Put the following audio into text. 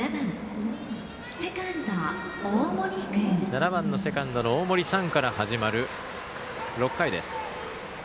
７番のセカンドの大森燦から始まる６回です。